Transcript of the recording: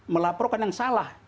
melaporkan yang salah